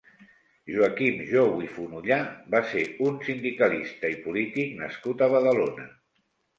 Joaquim Jou i Fonollà va ser un sindicalista i polític nascut a Badalona.